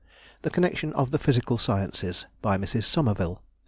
The Connexion of the Physical Sciences, by Mrs. Somerville, 1835.